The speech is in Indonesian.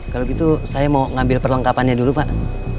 kalau gitu saya mau ngambil perlengkapannya dulu pak